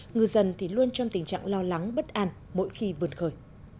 ngư dân thì luôn trong tình trạng lo lắng bất an mỗi khi vươn khởi